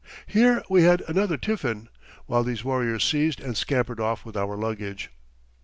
Here we had another tiffin, while these warriors seized and scampered off with our luggage.